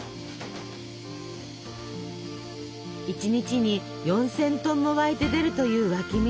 １日に４，０００トンも湧いて出るという湧き水。